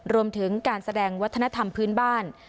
รวมถึงการแสดงวัฒนธรรมพื้นบ้าน